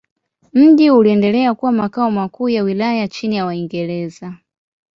Mji uliendelea kuwa makao makuu ya wilaya chini ya Waingereza.